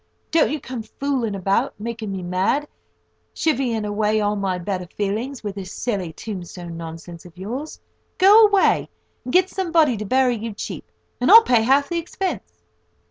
Don't you come fooling about, making me mad, chivying away all my better feelings with this silly tombstone nonsense of yours. Go away, and get somebody to bury you cheap, and I'll pay half the expense."